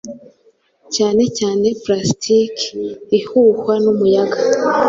cyane cyane plastiki - ihuhwa n'umuyaga